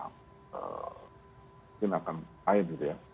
mungkin akan lain